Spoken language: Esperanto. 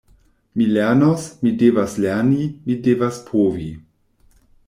Mi lernos, mi devas lerni, mi devas povi!